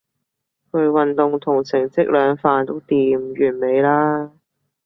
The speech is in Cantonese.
佢運動同成績兩瓣都掂，完美啦